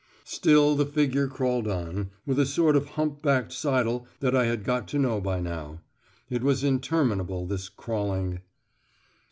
Still the figure crawled on, with a sort of hump backed sidle that I had got to know by now. It was interminable this crawling....